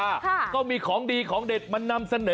ค่ะก็มีของดีของเด็ดมานำเสนอ